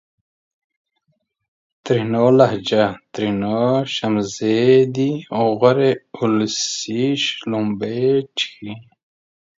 ترينو لهجه ! ترينو : شمزې دي غورې اولسۍ :شلومبې چښې